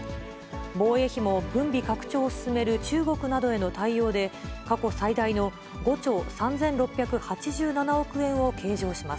防衛費も軍備拡張を進める中国などへの対応で、過去最大の５兆３６８７億円を計上します。